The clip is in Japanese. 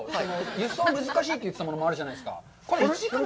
輸送難しいって言ってたものもあるじゃないですか。